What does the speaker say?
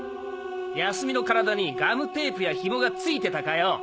泰美の身体にガムテープやヒモが付いてたかよ！？